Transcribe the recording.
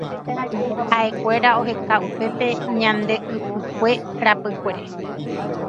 Haʼekuéra oheka upépe ñande ypykue rapykuere.